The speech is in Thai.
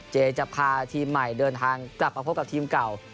จะพาทีมใหม่เดินทางกลับมาพบกับทีมเก่า